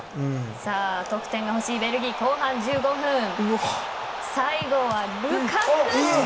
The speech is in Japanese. さあ得点がほしいベルギー後半１５分最後はルカク。